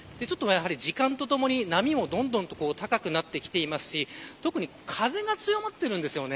時間とともに、波もどんどんと高くなってきていますし特に風が強まっています。